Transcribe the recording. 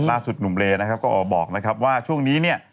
ล่าสุดหนุ่มเลนะครับก็ออกบอกนะครับว่าช่วงนี้เนี่ย